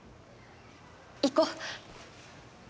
行こう。